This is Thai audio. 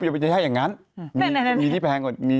พี่แมว่ะแต่หนุ่มไม่ได้พี่แมว่ะแต่หนุ่มไม่ได้